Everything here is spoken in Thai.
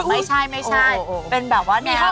ไม่ใช่เป็นแบบว่าแนบ